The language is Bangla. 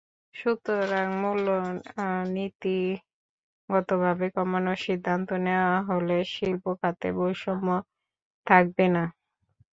সুতরাং মূল্য নীতিগতভাবে কমানোর সিদ্ধান্ত নেওয়া হলে শিল্প খাতে বৈষম্য থাকবে না।